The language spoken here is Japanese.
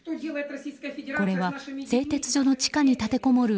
これは製鉄所の地下に立てこもる